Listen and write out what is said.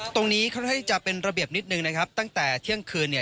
ตรงนี้ค่อนข้างจะเป็นระเบียบนิดนึงนะครับตั้งแต่เที่ยงคืนเนี่ย